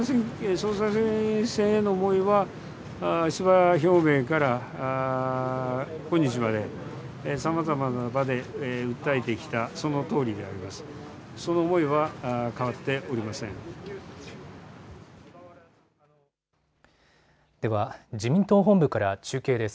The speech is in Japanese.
総裁選への思いは出馬表明から本日までさまざまな場で訴えてきたそのとおりであります。